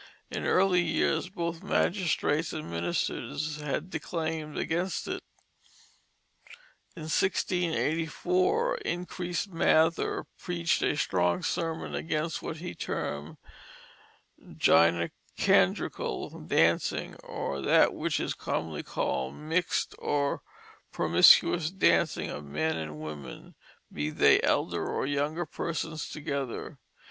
In early years both magistrates and ministers had declaimed against it. In 1684 Increase Mather preached a strong sermon against what he termed "Gynecandrical Dancing or that which is commonly called Mixt or Promiscuous Dancing of Men and Women, be they elder or younger Persons together."